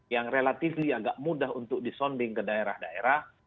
yang relatif agak mudah untuk disonding ke daerah daerah